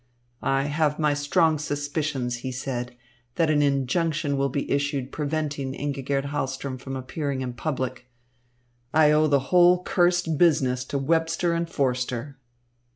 "I have my strong suspicions," he said, "that an injunction will be issued preventing Ingigerd Hahlström from appearing in public. I owe the whole cursed business to Webster and Forster."